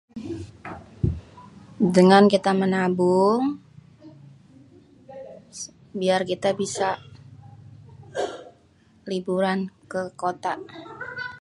Dèngan kita mènabung biar kita bisa liburan ke kota.